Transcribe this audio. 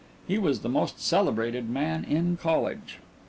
He was the most celebrated man in college.